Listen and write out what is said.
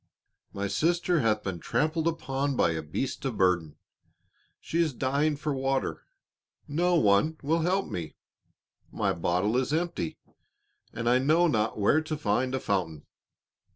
"My sister hath been trampled upon by a beast of burden. She is dying for water, no one will help me, my bottle is empty, and I know not where to find a fountain."